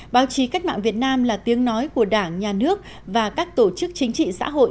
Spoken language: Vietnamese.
báo chí cách mạng việt nam là tiếng nói của đảng nhà nước và các tổ chức chính trị xã hội